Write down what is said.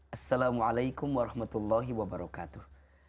assalamualaikum warahmatullahi wabarakatuh